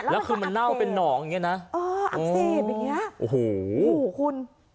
แล้วคือมันเน่าเป็นหนองอย่างนี้นะอักเสบอย่างเงี้ยโอ้โหคุณ